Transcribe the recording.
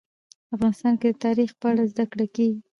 افغانستان کې د تاریخ په اړه زده کړه کېږي.